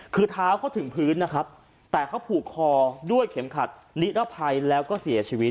คือเท้าเขาถึงพื้นนะครับแต่เขาผูกคอด้วยเข็มขัดนิรภัยแล้วก็เสียชีวิต